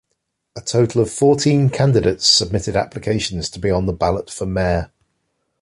A total of fourteen candidates submitted applications to be on the ballot for mayor.